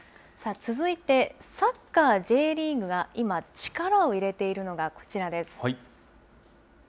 続いて、サッカーＪリーグが今、力を入れているのがこちらです。